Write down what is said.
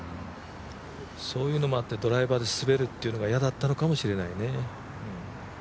そういうのもあってドライバーで滑るってのが嫌だったかもしれないですね。